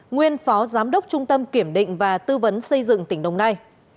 nguyên phó giám đốc trung tâm kiểm định và tư vấn xây dựng tỉnh đồng nai